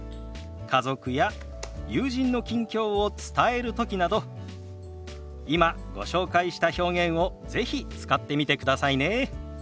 家族や友人の近況を伝える時など今ご紹介した表現を是非使ってみてくださいね。